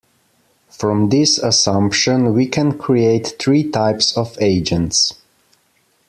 From this assumption we can create three types of agents.